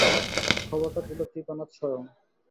খবরটা দিল কৃপানাথ স্বয়ং।